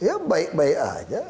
ya baik baik aja